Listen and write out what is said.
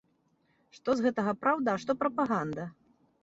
Што з гэтага праўда, а што прапаганда?